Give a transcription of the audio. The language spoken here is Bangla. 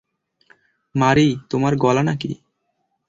মারি, তোমার গলা না কি?